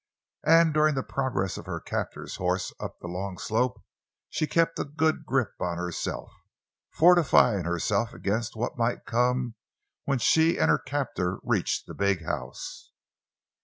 And during the progress of her captor's horse up the long slope she kept a good grip on herself, fortifying herself against what might come when she and her captor reached the big house.